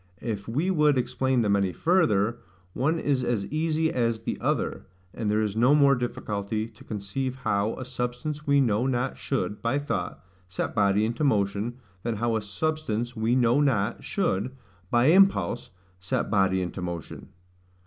If we would explain them any further, one is as easy as the other; and there is no more difficulty to conceive how A SUBSTANCE WE KNOW NOT should, by thought, set body into motion, than how A SUBSTANCE WE KNOW NOT should, by impulse, set body into motion.